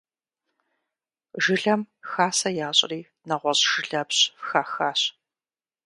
Жылэм хасэ ящӀри нэгъуэщӀ жылэпщ хахащ.